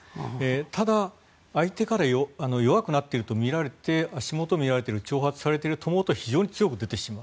ただ、相手から弱くなっているとみられて足元を見られたり挑発されていると思うと非常に強く出てしまう。